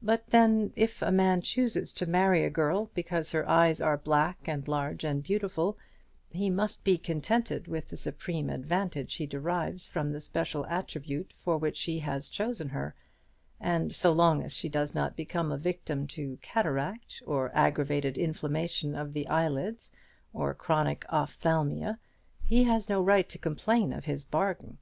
But then, if a man chooses to marry a girl because her eyes are black and large and beautiful, he must be contented with the supreme advantage he derives from the special attribute for which he has chosen her: and so long as she does not become a victim to cataract, or aggravated inflammation of the eyelids, or chronic ophthalmia, he has no right to complain of his bargain.